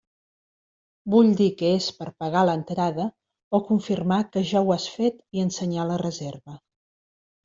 Vull dir que és per pagar l'entrada o confirmar que ja ho has fet i ensenyar la reserva.